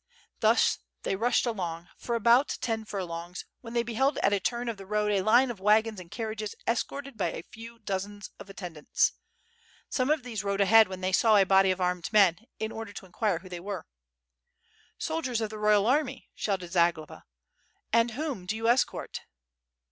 Thus they rushed along for about ten furlongs when they beheld at a turn of the road a line of wagons and carriages escorted by a few dozens of attendants. Some of these rode ahead when they saw a body of armed men, in order to in quire who they were. "Soldiers of the royal army," shouted Zagloba, "and whom do you escort?"